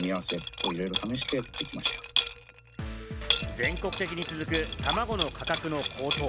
全国的に続く、たまごの価格の高騰。